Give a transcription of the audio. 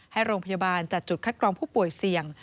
ให้โรงพยาบาลจัดจุดคัดกรองผู้ป่วยเสี่ยง